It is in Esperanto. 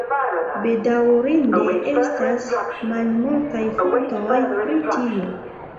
Bedaŭrinde estas malmultaj fontoj pri tio.